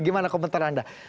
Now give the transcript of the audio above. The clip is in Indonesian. gimana komentar anda